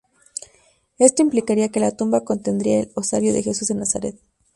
Esto implicaría que la tumba contendría el osario de Jesús de Nazaret.